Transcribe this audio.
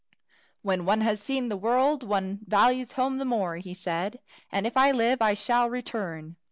"When one has seen the world, one values home the more," said he; "and if I live I shall return."